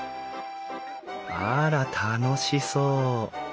あら楽しそう。